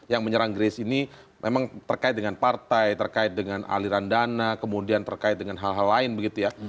yang menyerang grace ini memang terkait dengan partai terkait dengan aliran dana kemudian terkait dengan hal hal lain begitu ya